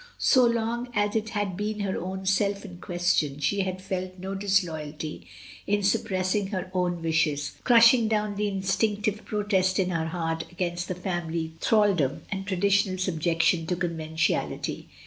So long as it had been her own self in question, she had felt no disloyalty in suppressing her own wishes, crush ing, down the instinctive protest in her heart against the family thraldom and traditional subjection to conventionality.